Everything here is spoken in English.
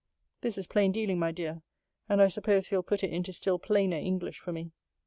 This is plain dealing, my dear: and I suppose he will put it into still plainer English for me.